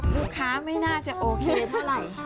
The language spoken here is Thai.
ลูกค้าไม่น่าจะโอเคเท่าไหร่